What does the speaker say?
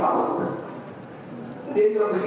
ini juga banyak